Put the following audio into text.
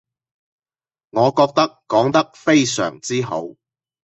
我覺得講得非常之好